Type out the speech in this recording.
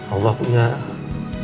allah punya caranya luar biasa ya